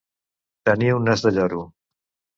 Tenir un nas de lloro.